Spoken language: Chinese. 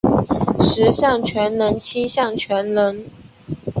十项全能七项全能